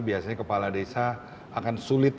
biasanya kepala desa akan sulit